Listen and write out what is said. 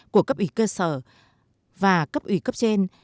của cấp ủy cơ sở và cấp ủy cấp trên